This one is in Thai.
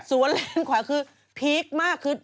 สวนเล็นขวาคือพีคมาก